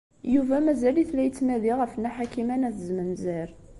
Yuba mazal-it la yettnadi ɣef Nna Ḥakima n At Zmenzer.